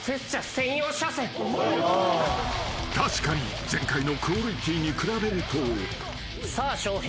［確かに前回のクオリティーに比べると］さあ翔平